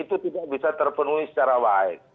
itu tidak bisa terpenuhi secara baik